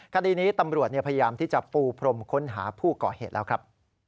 คดีนี้ตำรวจพยายามที่จะปูพรมค้นหาผู้ก่อเหตุแล้วครับ